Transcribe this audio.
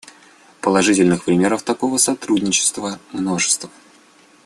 Положительных примеров такого сотрудничества — множество.